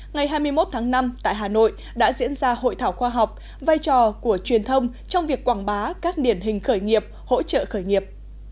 ngày hai mươi một tháng năm tại hà nội đã diễn ra hội thảo khoa học vai trò của truyền thông trong việc quảng bá các điển hình khởi nghiệp hỗ trợ khởi nghiệp